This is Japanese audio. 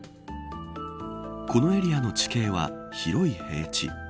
このエリアの地形は広い平地。